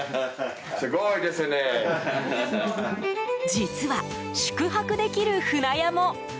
実は宿泊できる舟屋も。